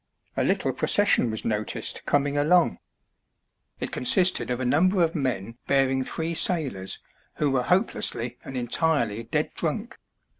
A little procession was noticed coming along. It consisted of a number of men bearing three sailors who were hopelessly and entirely dead drunk.